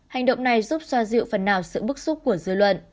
hành động này giúp xoa dịu phần nào sự bức xúc của dư luận